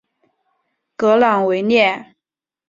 格朗维列。